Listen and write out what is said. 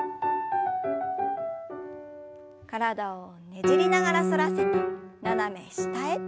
体をねじりながら反らせて斜め下へ。